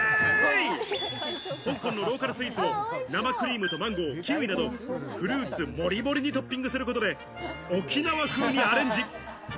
香港のローカルスイーツを生クリームとマンゴー、キウイなどフルーツ盛り盛りにトッピングすることで、沖縄風にアレンジ。